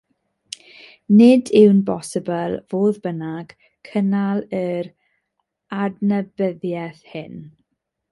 Nid yw'n bosibl, fodd bynnag, cynnal yr adnabyddiaeth hyn.